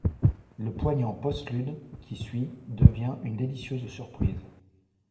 Le poignant postlude —— qui suit, devient une délicieuse surprise.